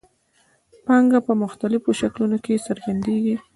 پانګه په مختلفو شکلونو کې څرګندېږي